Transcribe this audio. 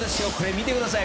見てください。